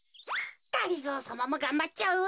がりぞーさまもがんばっちゃう。